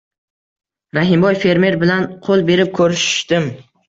Rahimboy fermer bilan qo‘l berib ko‘rishdim